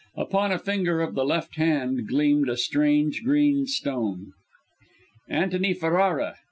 Upon a finger of the left hand gleamed a strange green stone. Antony Ferrara!